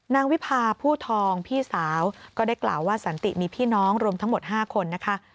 วิพาผู้ทองพี่สาวก็ได้กล่าวว่าสันติมีพี่น้องรวมทั้งหมด๕คนนะคะ